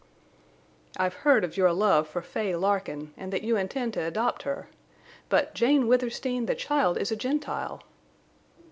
"I've heard of your love for Fay Larkin and that you intend to adopt her. But—Jane Withersteen, the child is a Gentile!"